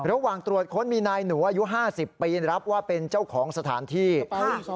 ระหว่างตรวจค้นมีนายหนูอายุ๕๐ปีรับว่าเป็นเจ้าของสถานที่